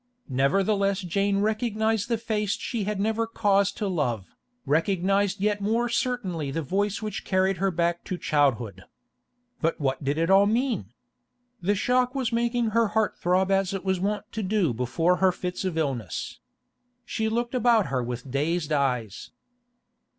Nevertheless Jane recognised the face she had never had cause to love, recognised yet more certainly the voice which carried her back to childhood. But what did it all mean? The shock was making her heart throb as it was wont to do before her fits of illness. She looked about her with dazed eyes.